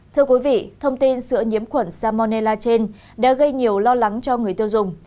thưa quý vị thông tin sữa nhiễm khuẩn salmonella trên đã gây nhiều lo lắng cho người tiêu dùng